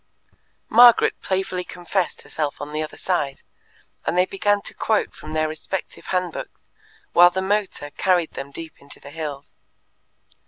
Margaret playfully confessed herself on the other side, and they began to quote from their respective hand books while the motor carried them deep into the hills.